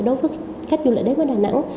đối với khách du lịch đến với đà nẵng